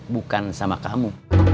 bukan sama kamu